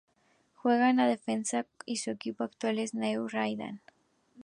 Juega como defensa y su equipo actual es el New Radiant.